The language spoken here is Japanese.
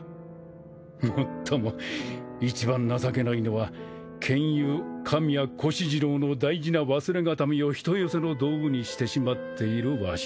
もっとも一番情けないのは剣友神谷越路郎の大事な忘れ形見を人寄せの道具にしてしまっているわしだがな。